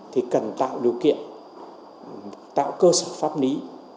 thì cần tạo điều kiện tạo cơ sở pháp lý